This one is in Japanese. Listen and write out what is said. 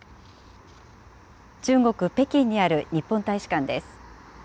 中国・北京にある日本大使館です。